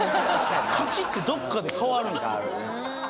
カチッてどこかで変わるんですよ。